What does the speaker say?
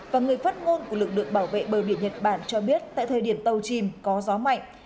và người phát ngôn của lực lượng bảo vệ bờ biển nhật bản cho biết tại thời điểm tàu chìm có gió mạnh